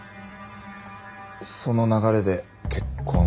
その流れで結婚して。